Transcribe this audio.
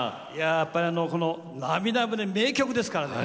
やっぱりこの「なみだ船」名曲ですからね